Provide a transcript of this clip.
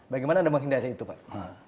bagaimana anda menghindari itu pak